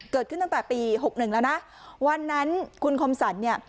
เกิดขึ้นตั้งแต่ปีหกหนึ่งแล้วนะวันนั้นคุณคมสรรเนี่ย